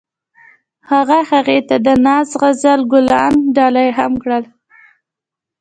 هغه هغې ته د نازک غزل ګلان ډالۍ هم کړل.